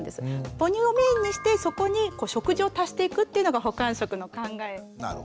母乳をメインにしてそこに食事を足していくというのが補完食の考え。